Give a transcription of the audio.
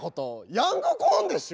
ヤングコーンでしょ？